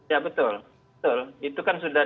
ya betul betul itu kan sudah